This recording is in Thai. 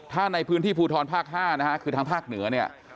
ถ้าในพื้นที่ภูทรภาค๕ทางภาคเหนือ